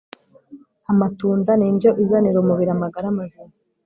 Amatunda ni indyo izanira umubiri amagara mazima